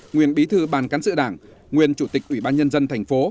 nguyên bí thư ban cán sự đảng nguyên chủ tịch ủy ban nhân dân thành phố